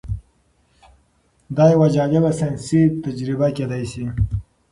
دا یوه جالبه ساینسي تجربه کیدی شي.